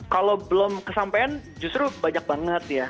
kalau belum kesampean justru banyak banget ya